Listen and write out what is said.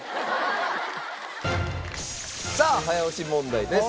さあ早押し問題です。